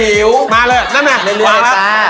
เรื่อยค่ะ